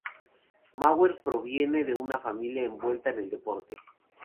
Mauer proviene de una familia envuelta en el deporte.